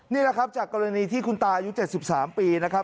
นี่แหละครับจากกรณีที่คุณตาอายุ๗๓ปีนะครับ